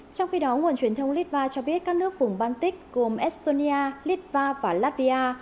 trong khi đó nguồn truyền thông litva cho biết các nước vùng baltic gồm estonia litva và latvia